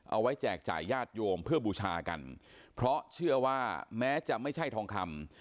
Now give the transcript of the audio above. แจกจ่ายญาติโยมเพื่อบูชากันเพราะเชื่อว่าแม้จะไม่ใช่ทองคำ